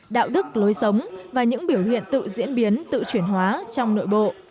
đạo đức lối sống và những biểu hiện tự diễn biến tự chuyển hóa trong nội bộ